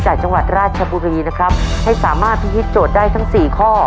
จังหวัดราชบุรีนะครับให้สามารถพิธีโจทย์ได้ทั้งสี่ข้อ